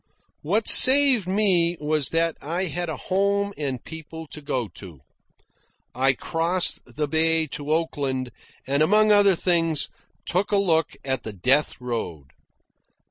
What saved me was that I had a home and people to go to. I crossed the bay to Oakland, and, among other things, took a look at the death road.